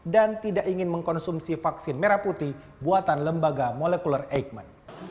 dan tidak ingin mengkonsumsi vaksin merah putih buatan lembaga molekuler eichmann